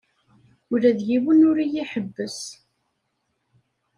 Ula d yiwen ur iyi-iḥebbes.